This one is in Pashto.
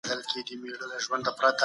کله د فضا د نظامي کیدو مخه نیول کیږي؟